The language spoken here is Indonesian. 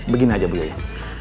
begini aja bu yoyo